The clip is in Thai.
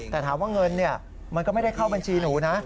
แต่ถามว่าเงินมันก็ไม่ได้เข้าบัญชีหนูนะ